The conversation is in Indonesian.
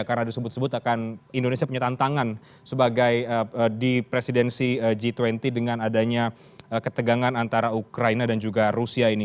karena disebut sebut akan indonesia punya tantangan sebagai di presidensi g dua puluh dengan adanya ketegangan antara ukraina dan juga rusia ini